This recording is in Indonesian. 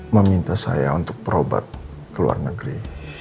meminta saya untuk berobat ke luar negeri